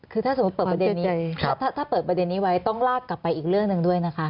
คือถ้าเปิดประเด็นนี้ไว้ต้องลากกลับไปอีกเรื่องหนึ่งด้วยนะคะ